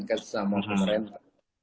kan sesama pemerintah